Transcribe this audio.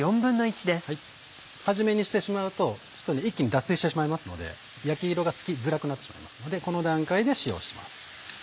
始めにしてしまうと一気に脱水してしまいますので焼き色がつきづらくなってしまいますのでこの段階で使用します。